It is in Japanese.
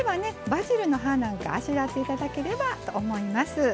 バジルの葉なんかあしらって頂ければと思います。